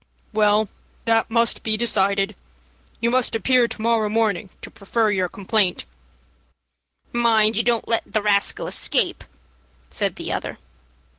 "Well, that must be decided. You must appear to morrow morning to prefer your complaint." "Mind you don't let the rascal escape," said the other.